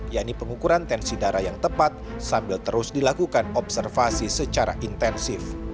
yaitu pengukuran tensi darah yang tepat sambil terus dilakukan observasi secara intensif